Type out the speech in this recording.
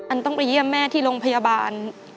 ต้องไปเยี่ยมแม่ที่โรงพยาบาล